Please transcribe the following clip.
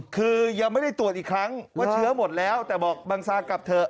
คือยังไม่ได้ตรวจอีกครั้งว่าเชื้อหมดแล้วแต่บอกบังซากลับเถอะ